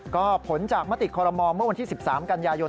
ก็ผลจากมติคอรมอลเมื่อวันที่๑๓กันยายน